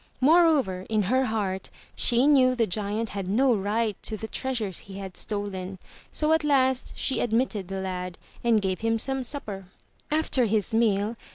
Moreover, in her heart she knew the giant had no right to the treasures he had stolen, so at last she admitted the lad and gave him some supper. After his meal.